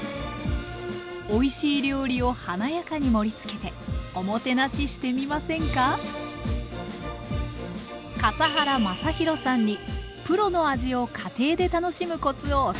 おいしい料理を華やかに盛りつけておもてなししてみませんか笠原将弘さんにプロの味を家庭で楽しむコツを教わります